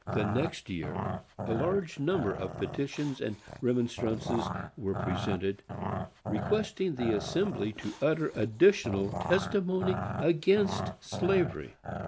The next year a large number of petitions and remonstrances were presented, requesting the Assembly to utter additional testimony against slavery.